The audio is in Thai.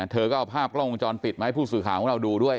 เธอก็เอาภาพกล้องวงจรปิดมาให้ผู้สื่อข่าวของเราดูด้วย